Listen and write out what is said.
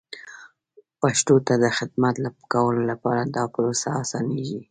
پښتو ته د خدمت کولو لپاره دا پروسه اسانېږي.